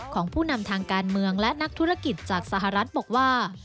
ของผู้นำทางการเมืองและนักธุรกิจจากสหรัฐบอกว่า